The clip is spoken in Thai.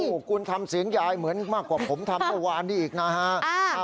โอ้โหคุณทำเสียงยายเหมือนมากกว่าผมทำเมื่อวานนี้อีกนะฮะ